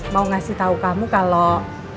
mau ngasih tahu kamu kalau